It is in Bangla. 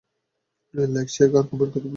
লাইক, শেয়ার, আর কমেন্ট করতে ভুলবেন না!